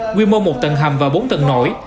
nguyên mô một tầng hầm và bốn tầng nổi